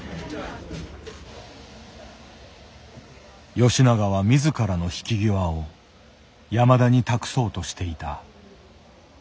吉永は自らの引き際を山田に託そうとしていた。